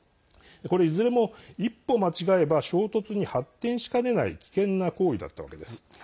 いずれも、一歩間違えば衝突に発展しかねない危険な行為だったわけです。